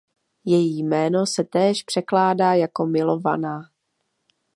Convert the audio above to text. Její jméno se též překládá jako "milovaná".